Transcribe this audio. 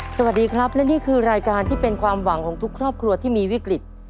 สวัสดีครับและนี่คือรายการที่เป็นความหวังของทุกครอบครัวที่มีวิกฤต